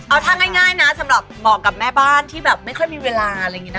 เอาทางง่ายนะสำหรับเหมาะกับแม่บ้านไม่ค่อยมีเวลา